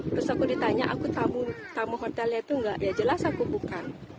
terus aku ditanya aku tamu hotelnya itu enggak ya jelas aku bukan